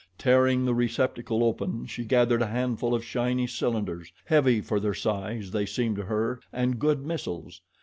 Tearing the receptacle open, she gathered a handful of shiny cylinders heavy for their size, they seemed to her, and good missiles.